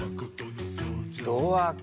ドアか。